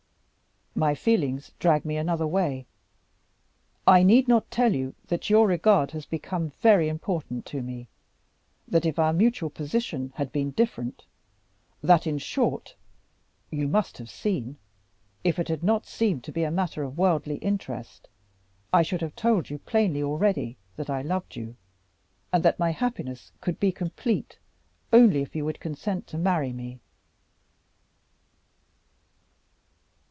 "My feelings drag me another way. I need not tell you that your regard has become very important to me that if our mutual position had been different that, in short, you must have seen if it had not seemed to be a matter of worldly interest, I should have told you plainly already that I loved you, and that my happiness could be complete only if you would consent to marry me."